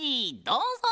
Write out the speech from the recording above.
どうぞ！